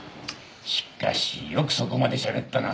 しかしよくそこまでしゃべったな